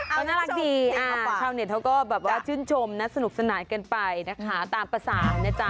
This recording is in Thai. เออน่ารักดีเขามันก็จื่นจมสนุกสนายเกินไปนะคะตามภาษานะจ๊ะ